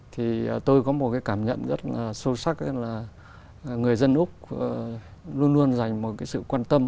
thì tôi có một cảm nhận rất sâu sắc là người dân úc luôn luôn dành một sự quan tâm